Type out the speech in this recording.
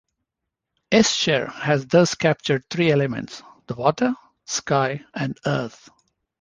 Escher has thus captured three elements: the water, sky and earth.